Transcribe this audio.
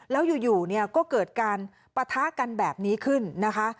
แล้วอยู่เนี่ยก็เกิดการปะทะกันแบบนี้ขึ้นนะคะ